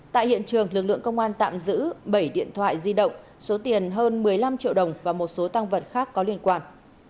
tại hiện trường lực lượng công an tạm giữ bảy điện thoại di động số tiền hơn một mươi năm triệu đồng và một số tăng vật khác có liên quan